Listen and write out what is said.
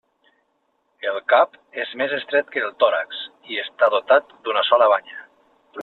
El cap és més estret que el tòrax i està dotat d'una sola banya.